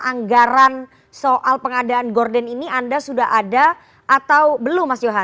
anggaran soal pengadaan gordon ini anda sudah ada atau belum mas johan